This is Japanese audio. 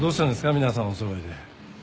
皆さんお揃いで。